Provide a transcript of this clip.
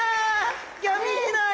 ゴミ拾い。